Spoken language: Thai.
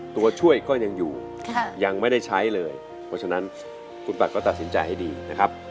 ตัวช่วยก็ยังอยู่ยังไม่ได้ใช้เลยเพราะฉะนั้นคุณปัดก็ตัดสินใจให้ดีนะครับ